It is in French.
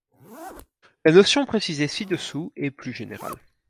La notion précisée ci-dessous est plus générale.